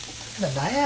何や？